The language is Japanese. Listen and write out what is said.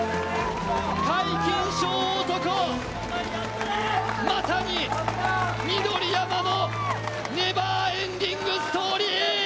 皆勤賞男、まさに緑山のネバーエンディングストーリー。